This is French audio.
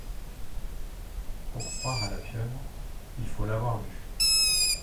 Pour croire à la pieuvre, il faut l’avoir vue.